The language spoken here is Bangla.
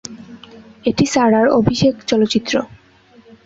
এটি সারার অভিষেক চলচ্চিত্র।